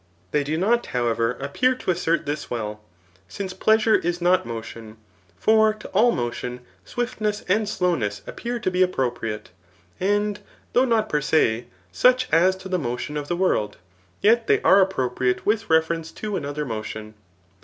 They do not, however, ap pear to assert this well, since pleasure is not motion. For to all motion swiftness and slowness appear to be appro priate, and though not per se, such as to the motion of the world, * yet they are appropriate with reference to another motion.